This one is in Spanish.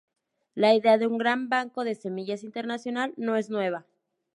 La idea de un gran banco de semillas internacional no es nueva.